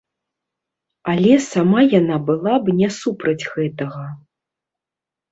Але сама яна была б не супраць гэтага.